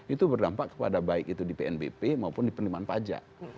itu berdampak kepada baik itu di pnbp maupun di penerimaan pajak